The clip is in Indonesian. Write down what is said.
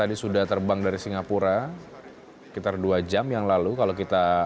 ini masih lama kok